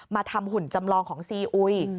มาทำหุ่นจำลองของซีอุย